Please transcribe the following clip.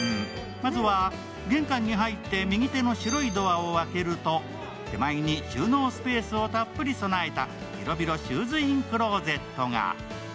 まずは玄関に入って右手の白いドアを開けると手前に収納スペースをたっぷり備えた、広々シューズインクローゼットが。